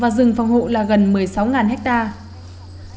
và rừng phòng hộ là gần một mươi sáu hectare